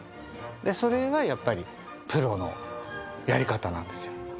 それがやっぱりプロのやり方なんですよ